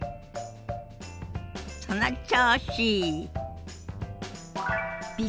その調子！